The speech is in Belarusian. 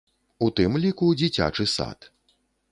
У тым ліку дзіцячы сад.